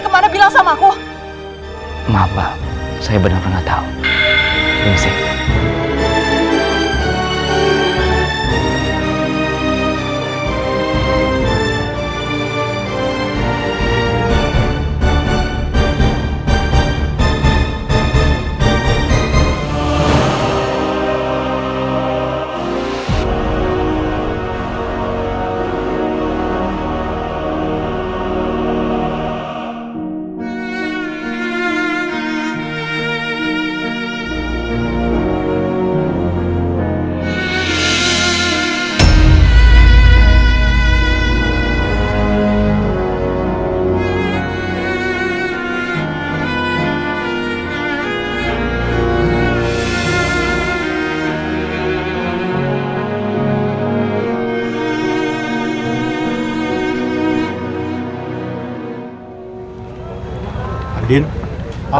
mas kau mau kemana